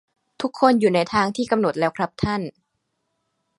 ทุกคนอยู่ในทางที่กำหนดแล้วครับท่าน